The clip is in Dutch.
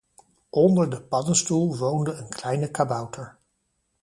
Onder de paddenstoel woonde een kleine kabouter.